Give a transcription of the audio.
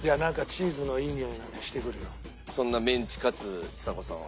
そんなメンチカツちさ子さん